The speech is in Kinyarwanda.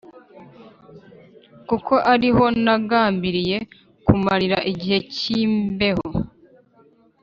kuko ari ho nagambiriye kumarira igihe cy’imbeho.